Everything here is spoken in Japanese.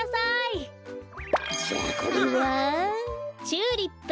チューリップ。